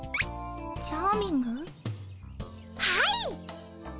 はい。